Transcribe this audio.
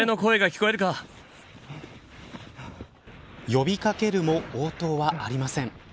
呼び掛けるも応答はありません。